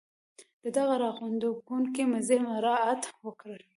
د دغه را غونډوونکي مزي مراعات وکړي.